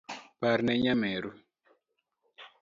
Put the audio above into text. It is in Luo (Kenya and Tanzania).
Parne nyameru